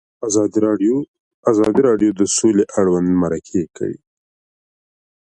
ازادي راډیو د سوله اړوند مرکې کړي.